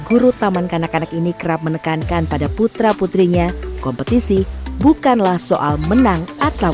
guru taman kanak kanak ini kerap menekankan pada putra putrinya kompetisi bukanlah soal menang atau